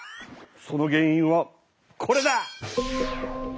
その原いんはこれだ！